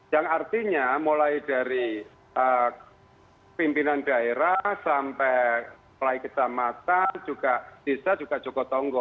yang artinya mulai dari pimpinan daerah sampai mulai kecamatan juga desa juga jogotongo